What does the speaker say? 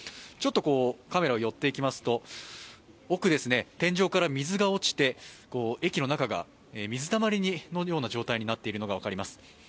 ちょっとカメラ寄っていきますと奥、天井から水が落ちまして駅の中が水たまりのような状態になっているのが分かります。